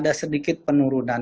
ada sedikit peningkatan